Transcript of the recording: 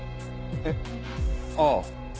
えっ？ああ。